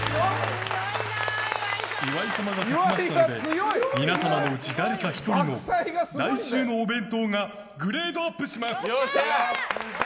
岩井様が勝ちましたので皆様のうち誰か１人の来週のお弁当がグレードアップします。